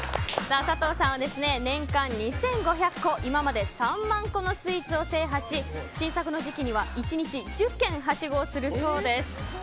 佐藤さんは年間２５００個今まで３万個のスイーツを制覇し新作の時期には１日１０軒はしごをするそうです。